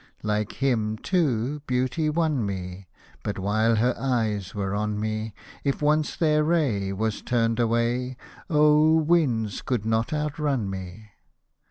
Like him, too, Beauty won me But while her eyes were on me, If once their ray Was turned away. Oh ! winds could not outrun me.